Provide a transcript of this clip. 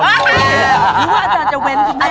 งี้ว่าอาจารย์จะเวรใส่คุณแม่อ่ะ